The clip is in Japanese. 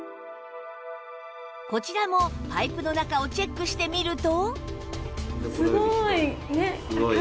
こちらもパイプの中をチェックしてみると